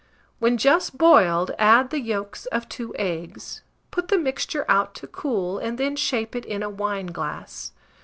When just boiled, add the yolks of 2 eggs; put the mixture out to cool, and then shape it in a wineglass.